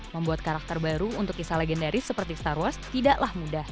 membuat karakter baru untuk kisah legendaris seperti star wars tidaklah mudah